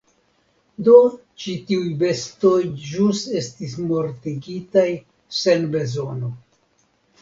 Do ĉi tiuj bestoj ĵus estis mortigitaj sen bezono.